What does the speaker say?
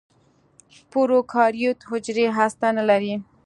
پروکاریوت حجرې هسته نه لري.